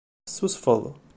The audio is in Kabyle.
Tessusfeḍ.